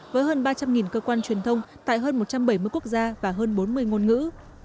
với hơn ba trăm linh cơ quan truyền thông tại hơn một trăm bảy mươi quốc gia và hơn bốn mươi ngôn ngữ